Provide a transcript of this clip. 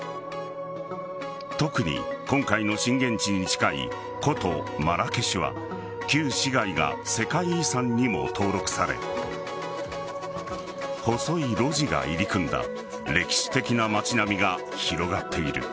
特に、今回の震源地に近い古都マラケシュは旧市街が世界遺産にも登録され細い路地が入り組んだ歴史的な街並みが広がっている。